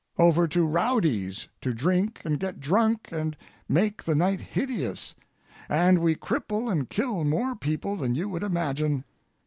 over to rowdies to drink and get drunk and make the night hideous, and we cripple and kill more people than you would imagine.